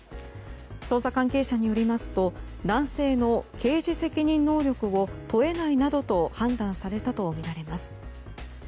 捜査関係者によりますと男性の刑事責任能力を問えないなどと判断されたとみられます。